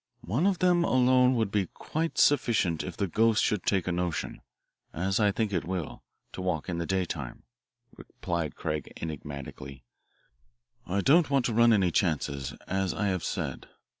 "One of them alone would be quite sufficient if the 'ghost' should take a notion, as I think it will, to walk in the daytime," replied Craig enigmatically. "I don't want to run any chances, as I have said.